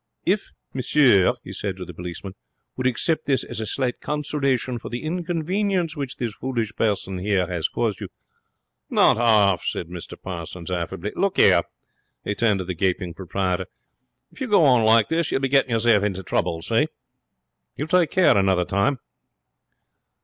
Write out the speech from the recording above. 'If monsieur,' he said to the policeman, 'would accept this as a slight consolation for the inconvenience which this foolish person here has caused him ' 'Not half,' said Mr Parsons, affably. 'Look here' he turned to the gaping proprietor 'if you go on like this you'll be getting yourself into trouble. See? You take care another time.'